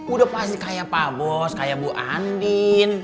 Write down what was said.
udah pasti kayak pak bos kayak bu andin